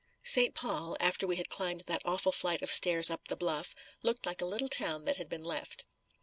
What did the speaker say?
St. Paul, after we had climbed that awful flight of stairs up the bluff, looked like a little town that had been left.